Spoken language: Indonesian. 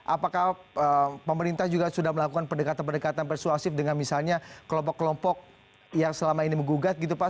apakah pemerintah juga sudah melakukan pendekatan pendekatan persuasif dengan misalnya kelompok kelompok yang selama ini menggugat gitu pak